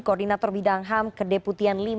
koordinator bidang ham kedeputian v